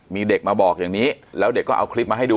มีเด็กมาบอกอย่างนี้แล้วเด็กก็เอาคลิปมาให้ดู